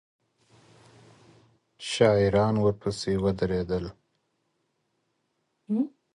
شاعران ورپسي ودرېدل